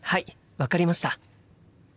分かりました。